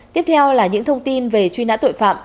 tiếp theo là những thông tin về truy nã tội phạm